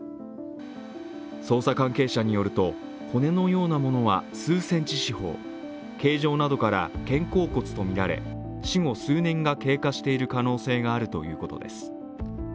捜査関係者によると骨のようなものは数センチ四方形状などから肩甲骨とみられ死後数年が経過している可能性があるということです。